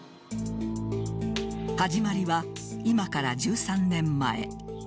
始まりは今から１３年前。